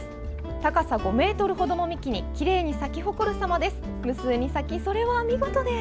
高さ５ｍほどの幹にきれいに咲き誇るさまです。